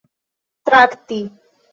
trakti